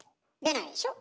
出ないでしょ？